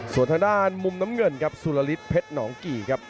ส่วนทางด้านมุมน้ำเงินครับสุรฤทธิเพชรหนองกี่ครับ